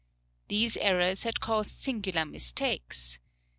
These errors had caused singular mistakes.